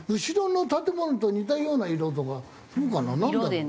後ろの建物と似たような色とかなんだろう？